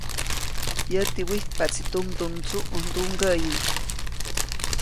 Yäti wijtpaʼtsi tumdumdsuʼ ndumgäʼyi.